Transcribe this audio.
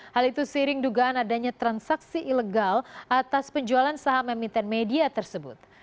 hal itu seiring dugaan adanya transaksi ilegal atas penjualan saham emiten media tersebut